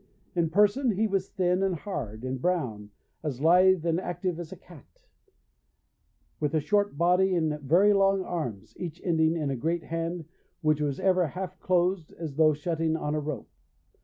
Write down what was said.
In person he was thin, and hard, and brown, as lithe and active as a cat, with a short body and very long arms, each ending in a great hand which was ever half closed as though shutting on a rope.